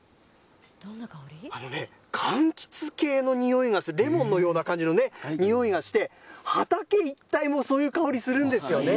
あのね、かんきつ系の匂いがする、レモンのような感じのね、匂いがして、畑一帯もそういう香りするんですよね。